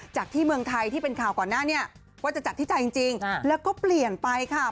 จากที่เมืองไทยที่เป็นข่าวก่อนหน้านี้ว่าจะจัดที่ใจจริงแล้วก็เปลี่ยนไปค่ะ